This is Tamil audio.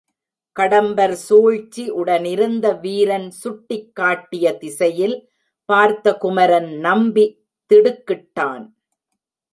கடம்பர் சூழ்ச்சி உடனிருந்த வீரன் சுட்டிக் காட்டிய திசையில் பார்த்த குமரன் நம்பி திடுக்கிட்டான்.